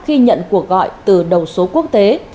khi nhận cuộc gọi từ đầu số quốc tế